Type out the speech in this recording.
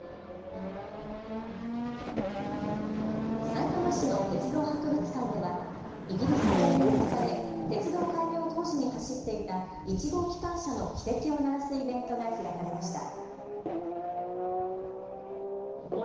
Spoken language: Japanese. さいたま市の鉄道博物館ではイギリスから輸入され鉄道開業当時に走っていた１号機関車の汽笛を鳴らすイベントが開かれました。